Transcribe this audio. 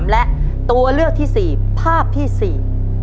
และตัวเลือกที่๔ภาพที่๔